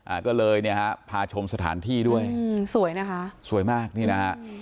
อ่าก็เลยเนี่ยฮะพาชมสถานที่ด้วยอืมสวยนะคะสวยมากนี่นะฮะ